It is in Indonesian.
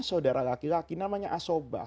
saudara laki laki namanya asobah